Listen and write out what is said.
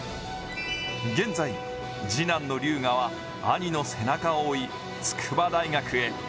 現在次男の龍雅は兄の背中を追い、筑波大学へ。